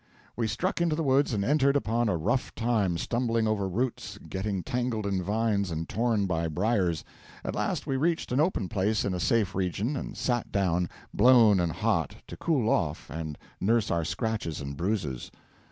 We struck into the woods and entered upon a rough time, stumbling over roots, getting tangled in vines, and torn by briers. At last we reached an open place in a safe region, and sat down, blown and hot, to cool off and nurse our scratches and bruises.